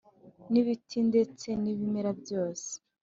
ni bitindetse ni bimera byose